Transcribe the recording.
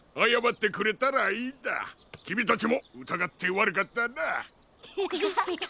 きみたちもうたがってわるかったな。